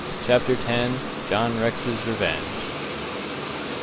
CHAPTER X. JOHN REX'S REVENGE.